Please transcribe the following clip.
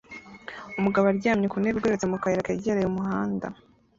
Umugabo aryamye ku ntebe igororotse ku kayira kegereye umuhanda